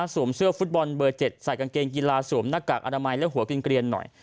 เสื้อฟุตบอลเบอร์๗ใส่กางเกงกีฬาสวมหน้ากากอนามัยและหัวกินเกลียนหน่อย